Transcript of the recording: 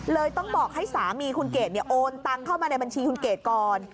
ต้องบอกให้สามีคุณเกดโอนตังเข้ามาในบัญชีคุณเกดก่อน